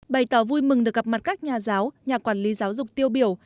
bày tỏ vui mừng được gặp mặt các nhà giáo nhà quản lý giáo dục tiêu biểu